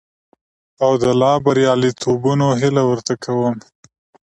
او د لا برياليتوبونو هيله ورته کوم.